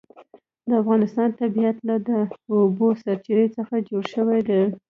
د افغانستان طبیعت له د اوبو سرچینې څخه جوړ شوی دی.